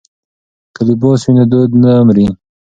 که لباس وي نو دود نه مري.